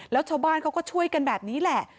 แล้วชาวบ้านเขาก็ช่วยกันแบบนี้แหละ